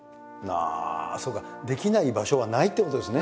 ああそうかできない場所はないってことですね。